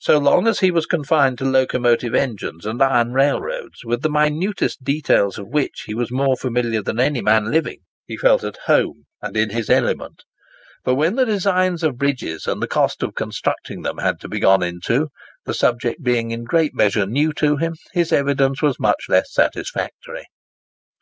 So long as he was confined to locomotive engines and iron railroads, with the minutest details of which he was more familiar than any man living, he felt at home, and in his element. But when the designs of bridges and the cost of constructing them had to be gone into, the subject being in a great measure new to him, his evidence was much less satisfactory. Mr.